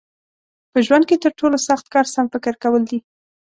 په ژوند کې تر ټولو سخت کار سم فکر کول دي.